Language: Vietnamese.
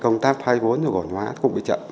công tác thoái vốn của cổ phân hóa cũng bị chậm